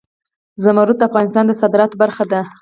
زمرد د افغانستان د صادراتو برخه ده.